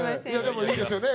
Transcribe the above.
でもいいですよね